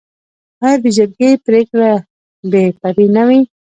آیا د جرګې پریکړه بې پرې نه وي؟